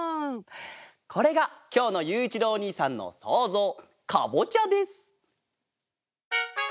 これがきょうのゆういちろうおにいさんのそうぞうかぼちゃです！